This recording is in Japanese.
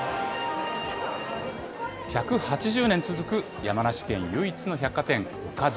１８０年続く、山梨県唯一の百貨店、岡島。